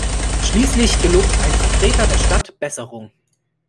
Schließlich gelobt ein Vertreter der Stadt Besserung.